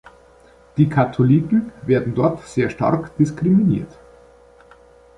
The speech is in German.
Die Katholiken werden dort sehr stark diskriminiert.